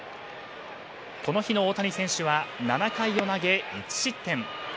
この日の大谷選手は７回を投げ１失点。